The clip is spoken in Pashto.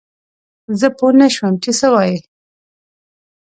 زه پوه نه شوم چې څه وايي؟